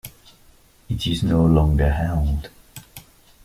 It is no longer held.